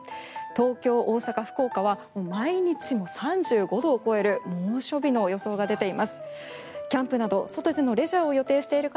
東京、大阪、福岡は毎日３５度を超える猛暑日の予想が出ています。